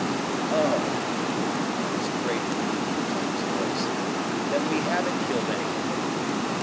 "Oh!" and there was great relief in Tom's voice. "Then we haven't killed any one?"